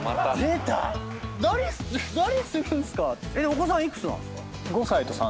お子さん幾つなんすか？